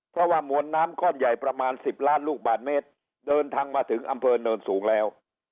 เพราะว่ามวลน้ำก้อนใหญ่ประมาณ๑๐ล้านลูกบาทเมตรเดินทางมาถึงอำเภอเนินสูงแล้ว